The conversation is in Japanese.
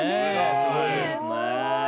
すごい。